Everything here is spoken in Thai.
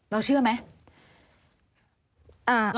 แล้วเชื่อไหม